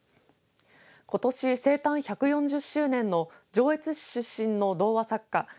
ことし生誕１４０周年の上越市出身の童話作家